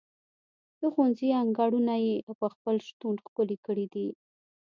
د ښوونځي انګړونه یې په خپل شتون ښکلي کړي دي.